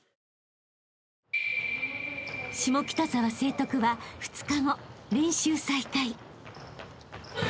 ［下北沢成徳は２日後練習再開］